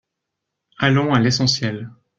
Allons à l’essentiel.